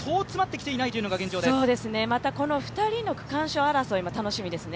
またこの２人の区間賞争いも楽しみですね。